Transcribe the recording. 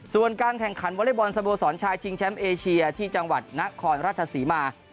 ส่วนการแข่งขันวอเล็กบอลสโมสรชายชิงแชมป์เอเชียที่จังหวัดนครราชศรีมา